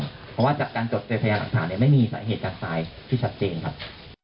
เพราะว่าจากการจดการเคลื่อนทายหลังการตายแน่ไม่มีสาเหตุการตายที่ชัดเจนครับ